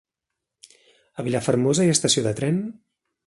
A Vilafermosa hi ha estació de tren?